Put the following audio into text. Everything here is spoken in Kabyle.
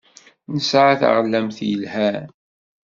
Nesɛa taɣlamt yelhan.